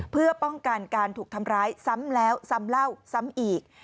เพื่อป้องกันการถูกทำร้ายซ้ำแล้วซ้ำเล่าซ้ำอีก